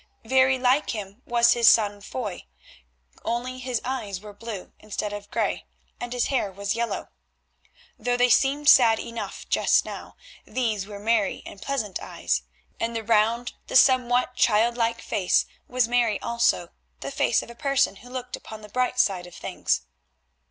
Very like him was his son Foy, only his eyes were blue instead of grey, and his hair was yellow. Though they seemed sad enough just now, these were merry and pleasant eyes, and the round, the somewhat childlike face was merry also, the face of a person who looked upon the bright side of things.